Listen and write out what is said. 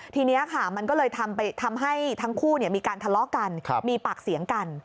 ทีนี้ค่ะมันก็เลยทำให้ทั้งคู่มีการทะเลาะกันมีปากเสียงกัน